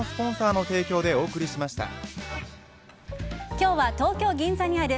今日は、東京・銀座にある